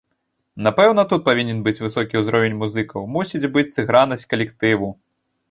Напэўна, тут павінен быць высокі ўзровень музыкаў, мусіць быць сыгранасць калектыву.